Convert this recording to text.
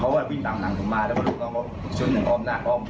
เขาว่าวิ่งต่ำหนังผมมาแล้วก็ลูกเราก็ชุดออมหน้ากล้อม